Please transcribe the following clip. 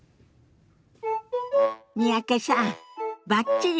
三宅さんバッチリね。